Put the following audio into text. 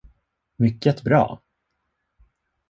Mycket bra!